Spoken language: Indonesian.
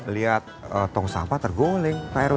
lihat tong sampah terguling pak ero